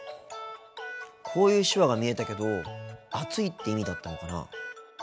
こういう手話が見えたけど暑いって意味だったのかな。